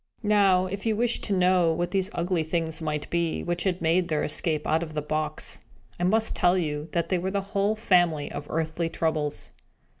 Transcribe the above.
Now, if you wish to know what these ugly things might be, which had made their escape out of the box, I must tell you that they were the whole family of earthly Troubles.